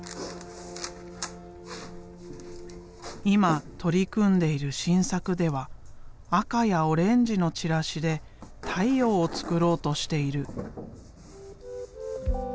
今取り組んでいる新作では赤やオレンジのチラシで太陽を作ろうとしている。